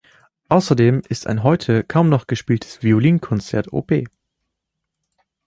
Außerdem ist ein heute kaum noch gespieltes "Violinkonzert" op.